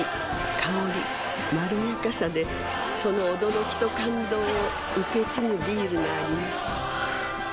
香りまろやかさでその驚きと感動を受け継ぐビールがあります